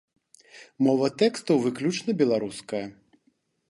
Мова тэкстаў выключна беларуская.